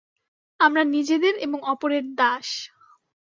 আমরা নিজেদের এবং অপরের দাস।